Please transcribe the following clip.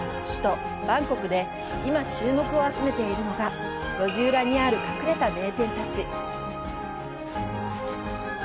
首都・バンコクで今、注目を集めているのが、路地裏にある隠れた名店たち。